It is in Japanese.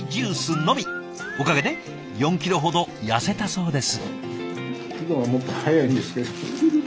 おかげで４ｋｇほど痩せたそうです。